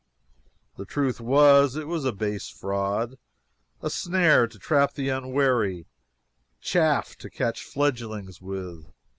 The truth was, it was a base fraud a snare to trap the unwary chaff to catch fledglings with.